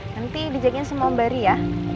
nanti dijagain sama om berry ya